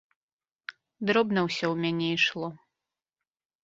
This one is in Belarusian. Дробна ўсё ў мяне ішло.